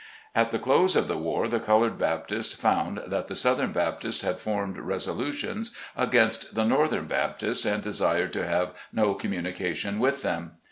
At the close of the war, the colored Baptists found that the southern Baptists had formed resolu tions against the northern Baptists, and desired to have no communication with them.